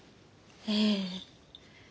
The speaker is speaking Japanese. ええ。